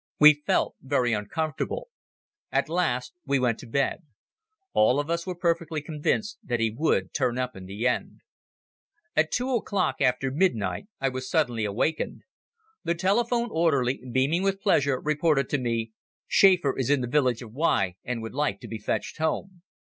We felt very uncomfortable. At last we went to bed. All of us were perfectly convinced that he would turn up in the end. At two o'clock, after midnight, I was suddenly awakened. The telephone orderly, beaming with pleasure, reported to me: "Schäfer is in the Village of Y. and would like to be fetched home."